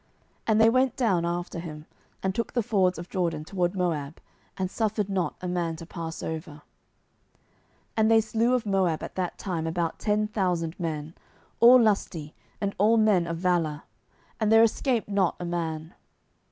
And they went down after him, and took the fords of Jordan toward Moab, and suffered not a man to pass over. 07:003:029 And they slew of Moab at that time about ten thousand men, all lusty, and all men of valour; and there escaped not a man.